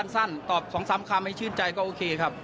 สั้นตอบ๒๓คำให้ชื่นใจก็โอเคครับ